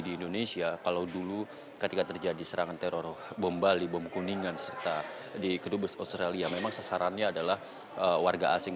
di indonesia kalau dulu ketika terjadi serangan teror bom bali bom kuningan serta di kedubes australia memang sasarannya adalah warga asing